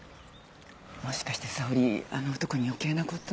もしかして沙織あの男に余計なことを。